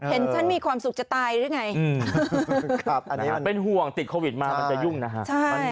ฉันมีความสุขจะตายหรือไงเป็นห่วงติดโควิดมามันจะยุ่งนะฮะ